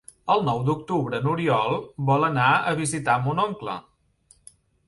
El nou d'octubre n'Oriol vol anar a visitar mon oncle.